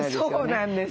そうなんです。